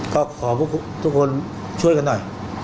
ก็ขอพวกทุกคนช่วยกันหน่อย